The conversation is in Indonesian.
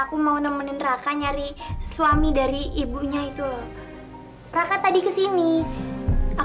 udah udah pak biar saya ajak lah sama saya